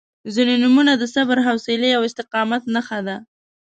• ځینې نومونه د صبر، حوصلې او استقامت نښه ده.